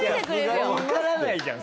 いやわからないじゃん